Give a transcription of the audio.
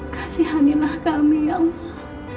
kasihanilah kami ya allah